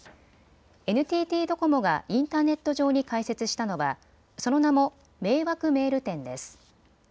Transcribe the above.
ＮＴＴドコモがインターネット上に開設したのはその名も迷惑メール展です。